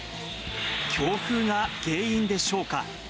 強風が原因でしょうか。